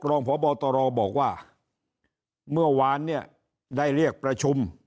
รองพบตรบอกว่าเมื่อวานเนี่ยได้เรียกประชุม